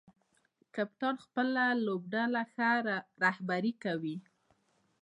کپتان خپله لوبډله ښه رهبري کوي.